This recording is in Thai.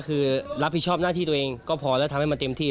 คือรับผิดชอบหน้าที่ตัวเองก็พอแล้วทำให้มันเต็มที่